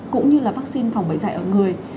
cũng như là vaccine phòng bệnh dạy ở người